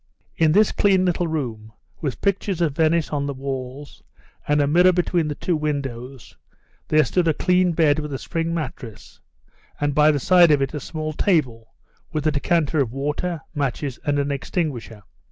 In this clean little room, with pictures of Venice on the walls, and a mirror between the two windows, there stood a clean bed with a spring mattress, and by the side of it a small table, with a decanter of water, matches, and an extinguisher.